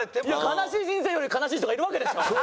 悲しい人生より悲しい人がいるわけでしょ？